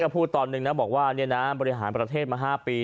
ท่านก็พูดตอนนึงนะบอกว่านี่นะบริหารประเทศมา๕ปี